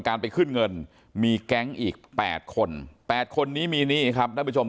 การไปขึ้นเงินมีแก๊งอีก๘คน๘คนนี้มีหนี้ครับท่านผู้ชม